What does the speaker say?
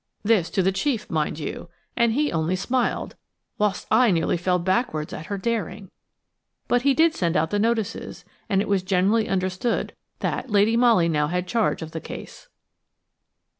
This to the chief, mind you; and he only smiled, whilst I nearly fell backwards at her daring. But he did send out the notices, and it was generally understood that Lady Molly now had charge of the case.